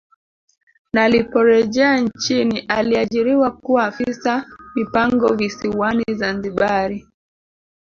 Na liporejea nchini aliajiriwa kuwa afisa mipango visiwani Zanzibari